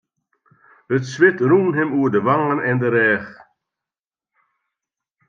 It swit rûn him oer de wangen en de rêch.